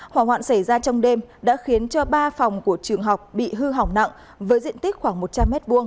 hỏa hoạn xảy ra trong đêm đã khiến cho ba phòng của trường học bị hư hỏng nặng với diện tích khoảng một trăm linh m hai